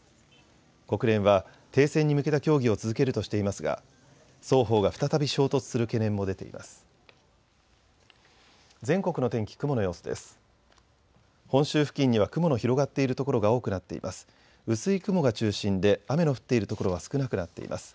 国連は停戦に向けた協議を続けるとしていますが双方が再び衝突する懸念も出ています。